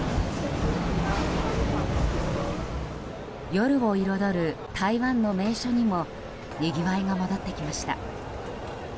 夜を彩る台湾の名所にもにぎわいが戻ってきました。